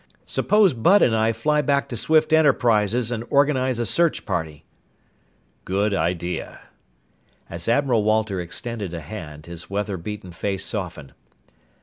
"Suppose Bud and I fly back to Swift Enterprises and organize a search party." "Good idea." As Admiral Walter extended a hand, his weather beaten face softened.